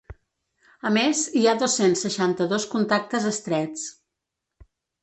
A més, hi ha dos-cents seixanta-dos contactes estrets.